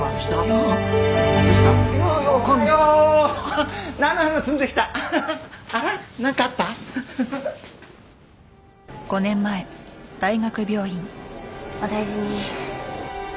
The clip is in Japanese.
お大事に。